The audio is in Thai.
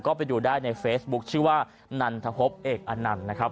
ก็ไปดูได้ในเฟซบุ๊คชื่อว่านันทพบเอกอนันต์นะครับ